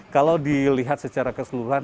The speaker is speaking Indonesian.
kalau dilihat secara keseluruhan